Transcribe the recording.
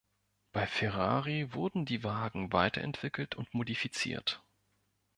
Bei Ferrari wurden die Wagen weiterentwickelt und modifiziert.